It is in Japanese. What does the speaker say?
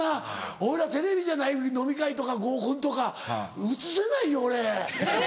俺はテレビじゃない飲み会とか合コンとか映せないよ俺。